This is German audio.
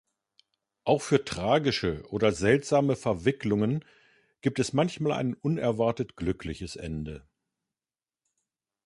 Auch für tragische oder seltsame Verwicklungen gibt es manchmal ein unerwartet glückliches Ende.